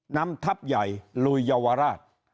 นำทัพใหญ่ลุยเยาวราช